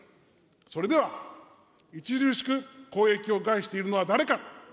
それでは、著しく公益を害しているのは誰か。